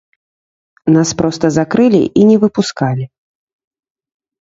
Нас проста закрылі і не выпускалі.